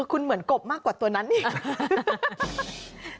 คุณเหมือนกบมากกว่าตัวนั้นอีก